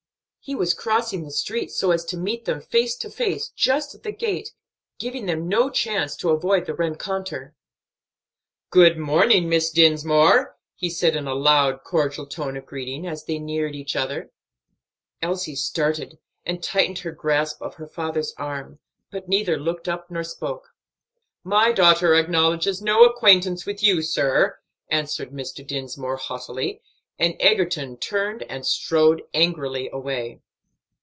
He was crossing the street so as to meet them face to face, just at the gate, giving them no chance to avoid the rencontre. "Good morning, Miss Dinsmore," he said in a loud, cordial tone of greeting, as they neared each other. Elsie started and tightened her grasp of her father's arm, but neither looked up nor spoke. "My daughter acknowledges no acquaintance with you, sir," answered Mr. Dinsmore, haughtily, and Egerton turned and strode angrily away.